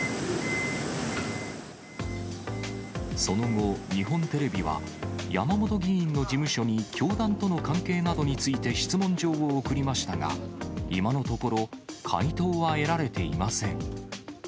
その後、日本テレビは、山本議員の事務所に教団との関係などについて質問状を送りましたが、今のところ、回答は得られていません。